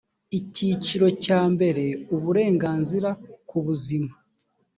icyiciro cya mbere uburenganzira kubuzima